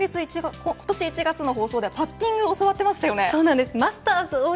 今年１月の放送ではパッティングを教わっていましたよね。